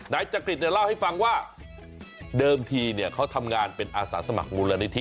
นายจักริตเนี่ยเล่าให้ฟังว่าเดิมทีเนี่ยเขาทำงานเป็นอาสาสมัครมูลนิธิ